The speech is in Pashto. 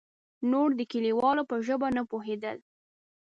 نور د کليوالو په ژبه نه پوهېدل.